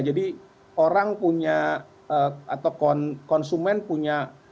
jadi orang punya atau konsumen punya